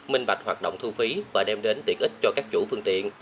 minh bạch hoạt động thu phí và đem đến tiện ích cho các chủ phương tiện